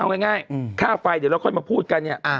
เอาง่ายค่าไฟเดี๋ยวเราค่อยมาพูดกันเนี่ย